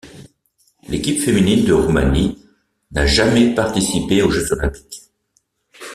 L'équipe féminine de Roumanie n'a jamais participé aux Jeux olympiques.